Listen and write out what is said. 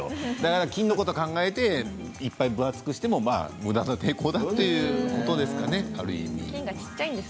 菌のことを考えていっぱい分厚くしてもむだな抵抗だということですよねある意味。